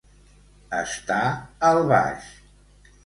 Estar al baix.